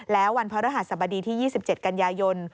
แล้ววันพระรหัสบดีที่๒๗กันยายน